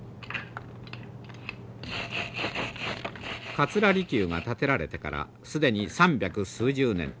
桂離宮が建てられてから既に三百数十年。